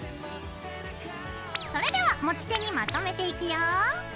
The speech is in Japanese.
それでは持ち手にまとめていくよ。